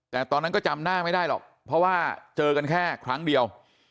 แต่ตอนนั้นก็จำหน้าไม่ได้หรอกเพราะว่าเจอกันแค่ครั้งเดียว